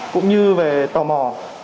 cũng như về tò mò